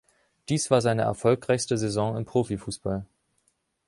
Dies war seine erfolgreichste Saison im Profifußball.